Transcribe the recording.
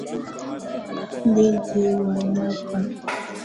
Ndege wanapaa.